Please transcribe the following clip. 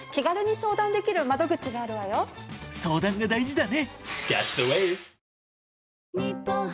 相談が大事だね！